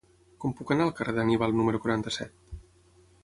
Com puc anar al carrer d'Anníbal número quaranta-set?